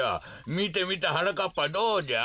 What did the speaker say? みてみてはなかっぱどうじゃ？